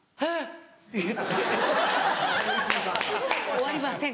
「終わりません」